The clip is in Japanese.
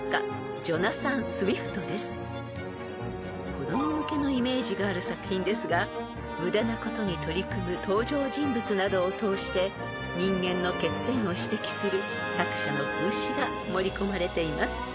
［子供向けのイメージがある作品ですが無駄なことに取り組む登場人物などを通して人間の欠点を指摘する作者の風刺が盛り込まれています］